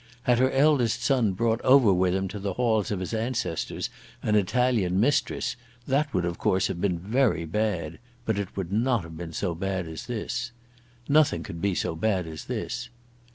Had her eldest son brought over with him to the halls of his ancestors an Italian mistress that would, of course, have been very bad, but it would not have been so bad as this. Nothing could be so bad as this.